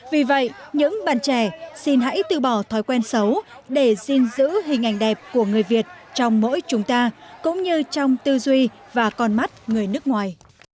vì vậy những bạn trẻ xin hãy từ bỏ thói quen xấu để xin giữ hình ảnh đẹp của người việt trong mỗi chúng ta cũng như trong tư duy và con mắt người nước ngoài